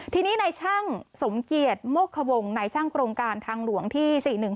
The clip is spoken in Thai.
ทีนี้ในช่างสมเกียจโมกวงในช่างโครงการทางหลวงที่๔๑